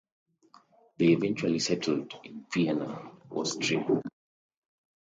They eventually settled in Vienna, Austria.